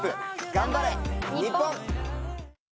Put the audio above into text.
頑張れ日本！